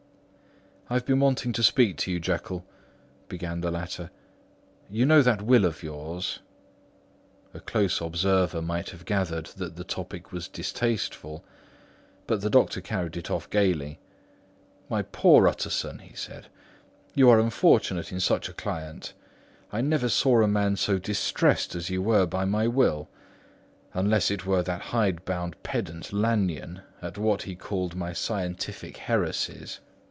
"I have been wanting to speak to you, Jekyll," began the latter. "You know that will of yours?" A close observer might have gathered that the topic was distasteful; but the doctor carried it off gaily. "My poor Utterson," said he, "you are unfortunate in such a client. I never saw a man so distressed as you were by my will; unless it were that hide bound pedant, Lanyon, at what he called my scientific heresies.